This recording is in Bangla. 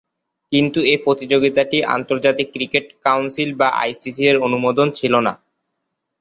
কিন্তু এ প্রতিযোগিতাটি আন্তর্জাতিক ক্রিকেট কাউন্সিল বা আইসিসি'র অনুমোদন ছিল না।